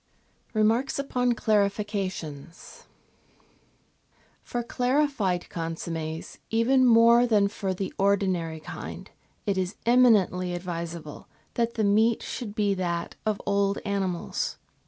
Remarks upon Clarifications For clarified consommes, even more than for the ordinary kind, it is eminently advisable that the meat should be that of old animals.